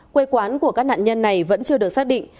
quê quán của các nạn nhân này vẫn chưa được xác định